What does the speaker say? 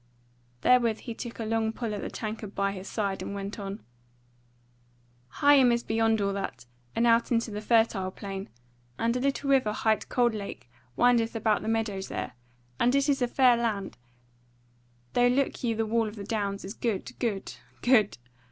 Therewith he took a long pull at the tankard by his side, and went on: "Higham is beyond all that, and out into the fertile plain; and a little river hight Coldlake windeth about the meadows there; and it is a fair land; though look you the wool of the downs is good, good, good!